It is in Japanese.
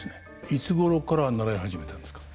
いつごろから習い始めたんですか？